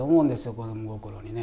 子供心にね。